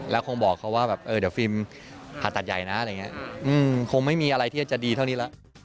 แล้วคงบอกเขาว่าเดี๋ยวฟิล์มผ่าตัดใหญ่นะอะไรอย่างนี้